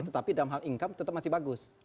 tetapi dalam hal income tetap masih bagus